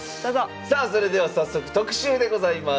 さあそれでは早速特集でございます。